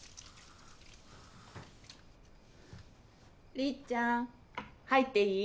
りっちゃん入っていい？